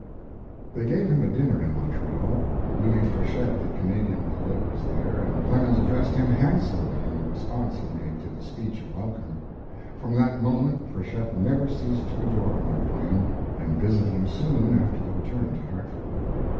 They gave him a dinner in Montreal. Louis Frechette, the Canadian poet, was there and Clemens addressed him handsomely in the response he made to the speech of welcome. From that moment Frechette never ceased to adore Mark Twain, and visited him soon after the return to Hartford.